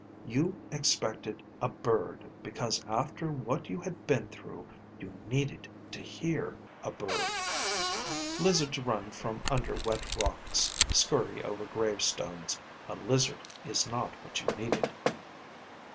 You expected a bird because after what you had been through, you needed to hear a bird. Lizards run from under wet rocks, scurry over gravestones. A lizard is not what you needed."